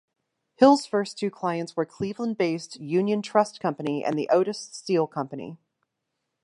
Hill's first two clients were Cleveland-based Union Trust Company, and the Otis Steel Company.